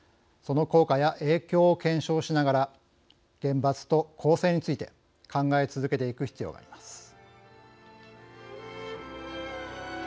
その効果や影響を検証しながら厳罰と更生について考え続けていく必要があります。